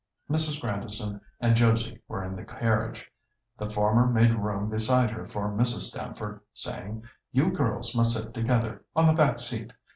Mrs. Grandison and Josie were in the carriage. The former made room beside her for Mrs. Stamford, saying, "You girls must sit together on the back seat.